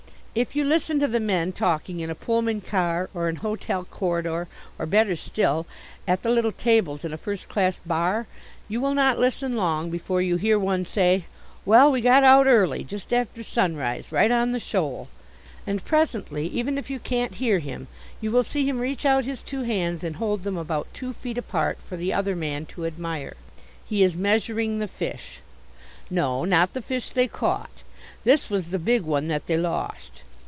If you listen to the men talking in a Pullman car, or an hotel corridor, or, better still, at the little tables in a first class bar, you will not listen long before you hear one say: "Well, we got out early, just after sunrise, right on the shoal." And presently, even if you can't hear him, you will see him reach out his two hands and hold them about two feet apart for the other man to admire. He is measuring the fish. No, not the fish they caught; this was the big one that they lost.